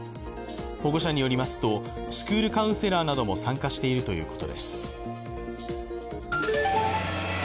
保護者によりますと、スクールカウンセラーなども参加しているということです。